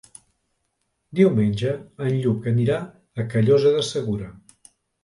Diumenge en Lluc anirà a Callosa de Segura.